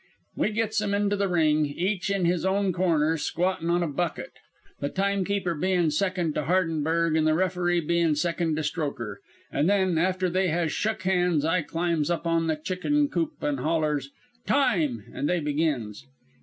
"We gets 'em into the ring, each in his own corner, squattin' on a bucket, the time keeper bein' second to Hardenberg an' the referee being second to Strokher. An' then, after they has shuk hands, I climbs up on' the chicken coop an' hollers 'Time' an' they begins.